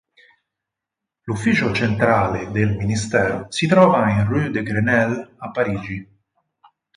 L'ufficio centrale del Ministero si trova in rue de Grenelle a Parigi.